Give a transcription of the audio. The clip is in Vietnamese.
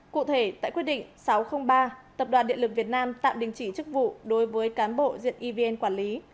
cụ thể tại quyết định sáu trăm linh ba tập đoàn điện lực việt nam tạm đình chỉ chức vụ đối với cán bộ diện evn quản lý